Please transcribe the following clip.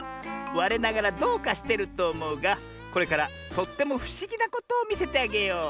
われながらどうかしてるとおもうがこれからとってもふしぎなことをみせてあげよう。